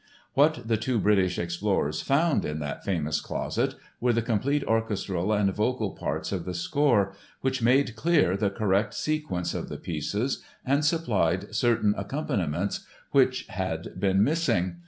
What the two British explorers found in that famous closet were the complete orchestral and vocal parts of the score, which made clear the correct sequence of the pieces and supplied certain accompaniments which had been missing.